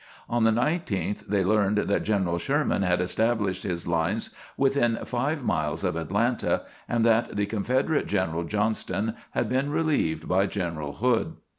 On the 19th they learned that General Sherman had established his lines within five miles of Atlanta, and that the Confederate general Johnston had been relieved by General Hood.